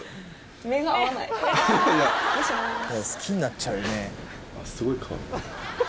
好きになっちゃうよね。